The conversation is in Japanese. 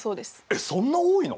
えっそんな多いの。